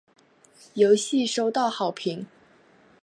游戏收到好评。